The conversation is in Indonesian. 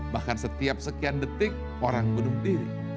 bahkan setiap sekian detik orang bunuh diri